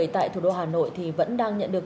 tại thủ đô hà nội thì vẫn đang nhận được